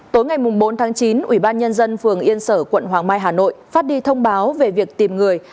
tối ngày bốn tháng chín ủy ban nhân dân phường yên sở quận hoàng mai hà nội phát đi thông báo về việc tìm người